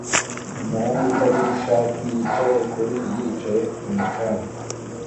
Umuhungu utagira ishati yicaye kuri yicaye kumu canga